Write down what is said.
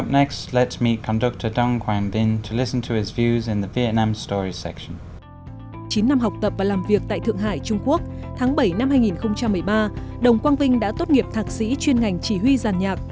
chín năm học tập và làm việc tại thượng hải trung quốc tháng bảy năm hai nghìn một mươi ba đồng quang vinh đã tốt nghiệp thạc sĩ chuyên ngành chỉ huy giàn nhạc